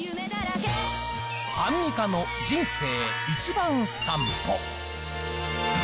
アンミカの人生一番さんぽ。